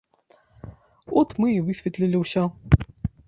От мы і высветлілі ўсё.